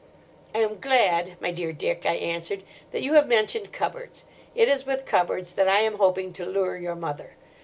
"I am glad, my dear Dick," I answered; "that you have mentioned cupboards. It is with cupboards that I am hoping to lure your mother.